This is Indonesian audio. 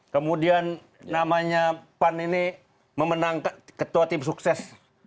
kemudian namanya pan ini memenang ketua tim sukses dua ribu sembilan